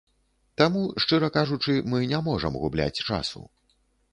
Таму, шчыра кажучы, мы не можам губляць часу.